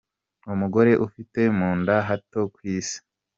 Umugore ufite munda hato ku isi